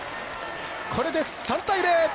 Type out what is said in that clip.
これで３対０！